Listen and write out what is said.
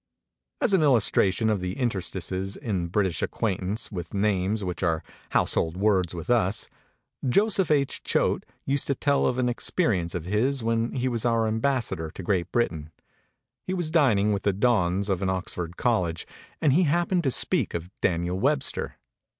As an illustration of the interstices in the British acquaintance with names which are household words with us, Joseph H. Choate used to tell of an experience of his when he was our Ambassador to Great Britain. He was dining with the dons of an Oxford college and he hap pened to speak of Daniel Webster.